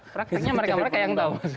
praktiknya mereka mereka yang tahu